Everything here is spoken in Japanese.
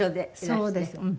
そうです。